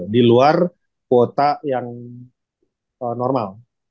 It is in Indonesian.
di luar kuota yang normal